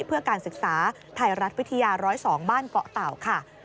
เพื่อการศึกษาไทยรัฐวิทยา๑๐๒บ้านเกาะเต่าค่ะ